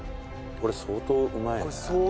これ相当うまい。